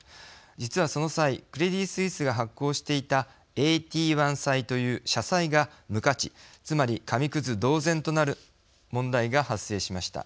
実は、その際クレディ・スイスが発行していたＡＴ１債という社債が無価値つまり、紙くず同然となる問題が発生しました。